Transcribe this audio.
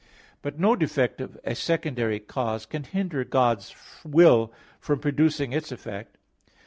But no defect of a secondary cause can hinder God's will from producing its effect.